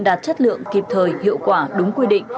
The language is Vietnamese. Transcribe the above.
đạt chất lượng kịp thời hiệu quả đúng quy định